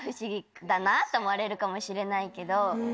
だなって思われるかもしれないけど。